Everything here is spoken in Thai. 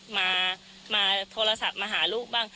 มาโทรศัพท์มาหาลูกบ้าง